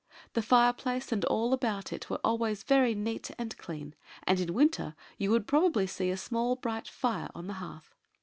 The fireplace and all about it were always very neat and clean, and in winter you would probably see a small bright fire on the hearth.